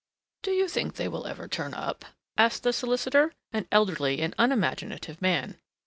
"Do you think they will ever turn up?" asked the solicitor, an elderly and unimaginative man.